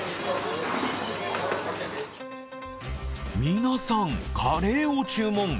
皆さん、カレーを注文。